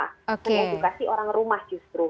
mengedukasi orang rumah justru